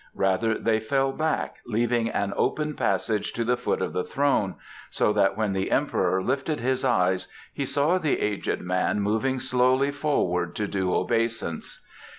Rather, they fell back, leaving an open passage to the foot of the throne; so that when the Emperor lifted his eyes he saw the aged man moving slowly forward to do obeisance.